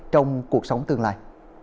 trong cuộc sống tương lai